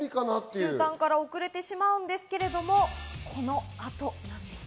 集団から遅れてしまうんですが、この後なんです。